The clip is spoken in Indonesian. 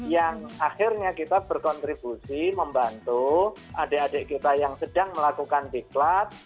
yang akhirnya kita berkontribusi membantu adik adik kita yang sedang melakukan diklat